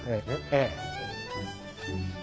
ええ。